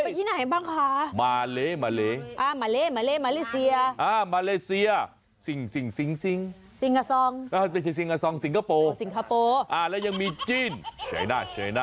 ที่ไหนบ้างคะ